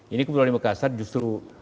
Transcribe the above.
ini kebetulan di makassar justru